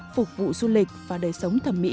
phục vụ du lịch và đời sống thẩm mỹ